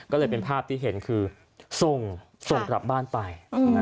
ก็เลยเป็นภาพที่เห็นคือส่งกลับบ้านไป